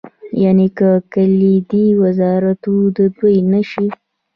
یعنې که کلیدي وزارتونه د دوی نه شي.